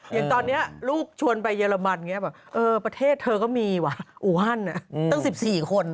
อย่างตอนนี้ลูกชวนไปเยอรมันประเทศเธอก็มีวะอุหันตั้ง๑๔คน